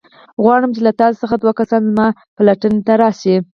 غواړم چې له تاسو څخه دوه کسان زما پلټن ته راشئ.